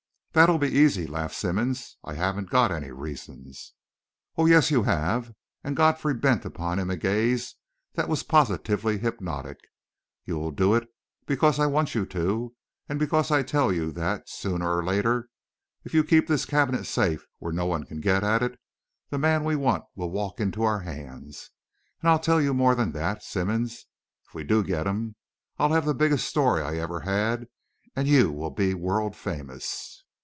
"That'll be easy," laughed Simmonds. "I haven't got any reasons." "Oh, yes, you have," and Godfrey bent upon him a gaze that was positively hypnotic. "You will do it because I want you to, and because I tell you that, sooner or later, if you keep this cabinet safe where no one can get at it, the man we want will walk into our hands. And I'll tell you more than that, Simmonds; if we do get him, I'll have the biggest story I ever had, and you will be world famous.